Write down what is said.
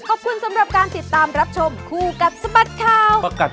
โอ้โห